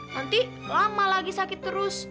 nanti lama lagi sakit terus